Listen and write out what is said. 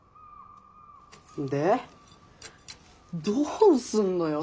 でどうすんのよ？